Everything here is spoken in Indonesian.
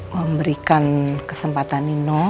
memberikan kesempatan nino